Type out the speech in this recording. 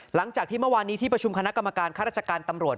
หลังจากที่เมื่อวานนี้ที่ประชุมคณะกรรมการค่าราชการตำรวจ